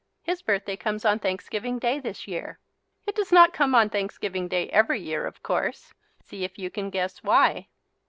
His birthday comes on Thanksgiving Day this year. It does not come on Thanksgiving Day every year, of course. See if you can guess why.